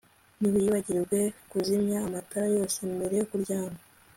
Ntiwibagirwe kuzimya amatara yose mbere yo kuryama